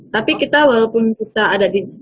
tapi kita walaupun kita ada di